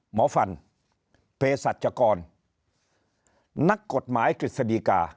หมอฟันเพศสัจกรนักกฎหมายกฤษฎีกา